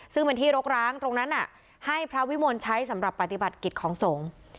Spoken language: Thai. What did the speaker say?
ซึ่งเป็นที่รกร้างตรงนั้นให้พระวิมลใช้สำหรับปฏิบัติกิจของสงฆ์